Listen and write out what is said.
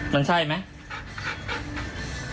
มันใช่ไหม